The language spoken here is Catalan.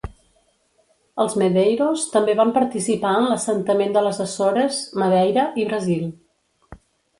Els Medeiros també van participar en l'assentament de les Açores, Madeira i Brasil.